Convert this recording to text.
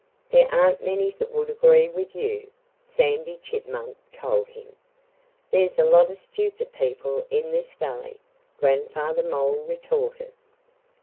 "There aren't many that would agree with you," Sandy Chipmunk told him. "There's a lot of stupid people in this valley," Grandfather Mole retorted.